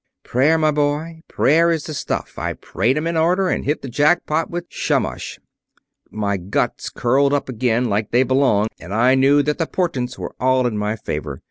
"Prayer, my boy. Prayer is the stuff. I prayed to 'em in order, and hit the jackpot with Shamash. My guts curled up again, like they belong, and I knew that the portents were all in my favor.